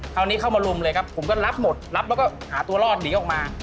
คราวนี้เข้ามาลุมเลยครับผมก็รับหมดรับแล้วก็หาตัวรอดหนีออกมา